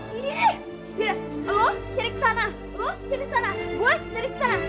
yaudah lo cari kesana lo cari kesana gue cari kesana